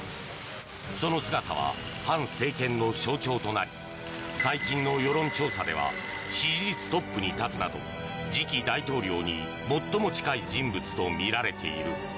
その姿は反政権の象徴となり最近の世論調査では支持率トップに立つなど次期大統領に最も近い人物とみられている。